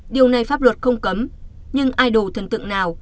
điều này pháp luật không cấm nhưng idol thần tượng nào